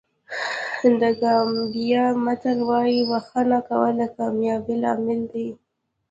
د ګامبیا متل وایي بښنه کول د کامیابۍ لامل دی.